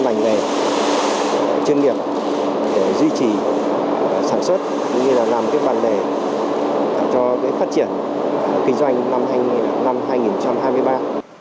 để giữ chân các bản đề chuyên nghiệp để duy trì sản xuất như là làm các bản đề cho phát triển kinh doanh năm hai nghìn hai mươi ba